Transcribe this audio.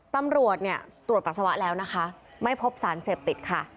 ตำรวจเนี่ยตรวจปัสสาวะแล้วนะคะไม่พบสารเสพติดค่ะ